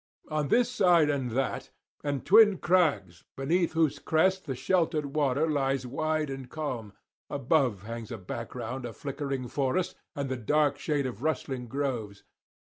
On this side and that enormous cliffs rise threatening heaven, and twin crags beneath whose crest the sheltered water lies wide and calm; above hangs a background of flickering forest, and the dark shade of rustling groves.